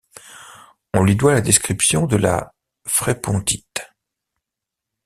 On lui doit la description de la fraipontite.